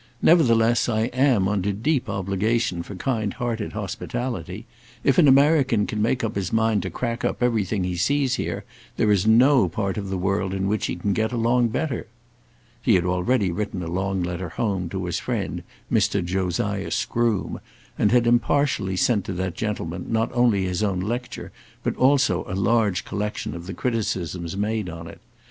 Nevertheless I am under deep obligation for kind hearted hospitality. If an American can make up his mind to crack up everything he sees here, there is no part of the world in which he can get along better." He had already written a long letter home to his friend Mr. Josiah Scroome, and had impartially sent to that gentleman not only his own lecture, but also a large collection of the criticisms made on it.